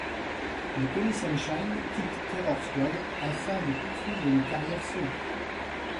Mais Tony Sunshine quitte Terror Squad afin de poursuivre une carrière solo.